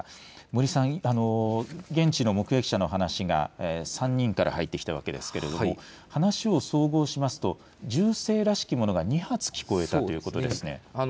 森さん、現地の目撃者の話が３人から入ってきたわけですけれども話を総合しますと銃声らしきものが２発聞こえたということですね。